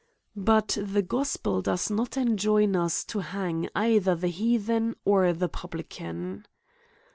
But the gospel does not enjoin us to hang either the heathen or the publican.